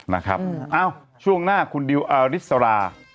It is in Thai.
นะครับเอ้าช่วงหน้าคุณดิวอาริสรา